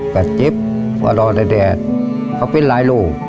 กับจิ๊บกว่ารอแดดเขาเป็นหลายลูก